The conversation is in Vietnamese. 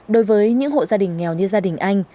đối với những hộ gia đình nghèo như gia đình anh